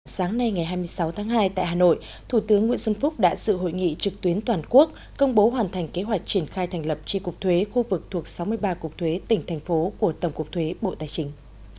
sáng nay ngày hai mươi sáu tháng hai tại hà nội thủ tướng nguyễn xuân phúc đã sự hội nghị trực tuyến toàn quốc công bố hoàn thành kế hoạch triển khai thành lập tri cục thuế khu vực thuộc sáu mươi ba cục thuế tỉnh thành phố của tổng cục thuế bộ tài chính